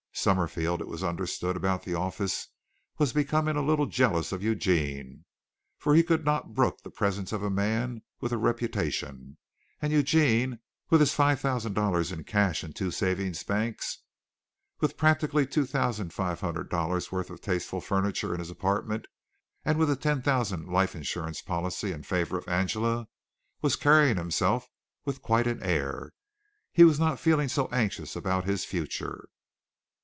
Summerfield, it was understood about the office, was becoming a little jealous of Eugene, for he could not brook the presence of a man with a reputation; and Eugene, with his five thousand dollars in cash in two savings banks, with practically two thousand five hundred dollars' worth of tasteful furniture in his apartment and with a ten thousand life insurance policy in favor of Angela, was carrying himself with quite an air. He was not feeling so anxious about his future.